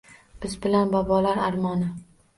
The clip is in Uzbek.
Biz bilan bobolar armoni